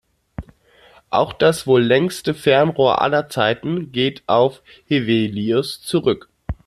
Auch das wohl längste Fernrohr aller Zeiten geht auf Hevelius zurück.